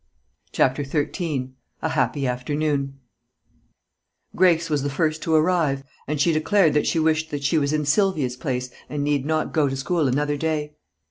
CHAPTER XIII A HAPPY AFTERNOON Grace was the first to arrive, and she declared that she wished that she was in Sylvia's place and need not go to school another day.